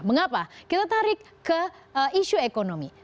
mengapa kita tarik ke isu ekonomi